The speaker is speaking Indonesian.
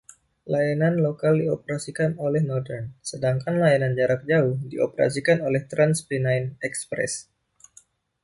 Layanan lokal dioperasikan oleh Northern, sedangkan layanan jarak jauh dioperasikan oleh TransPennine Express.